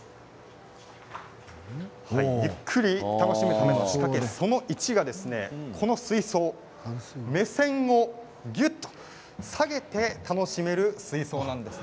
ゆっくり楽しむための仕掛けその１がこの水槽目線をぎゅっと下げて楽しめる水槽なんです。